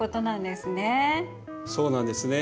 そうなんですね。